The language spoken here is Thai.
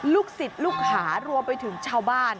ลูกศิษย์ลูกหารวมไปถึงชาวบ้าน